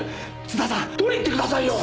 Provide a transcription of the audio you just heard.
津田さん取りに行ってくださいよ！